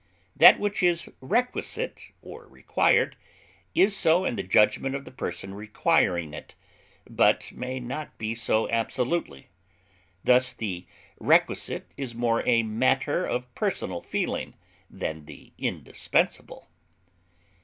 That which is requisite (or required) is so in the judgment of the person requiring it, but may not be so absolutely; thus, the requisite is more a matter of personal feeling than the indispensable.